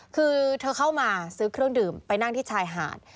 คือเธอเข้ามาซื้อเครื่องดื่มไปนั่งที่ชายหาด